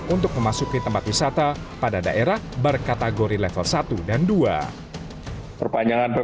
untuk memasuki tempat wisata pada daerah berkategori level satu dan dua perpanjangan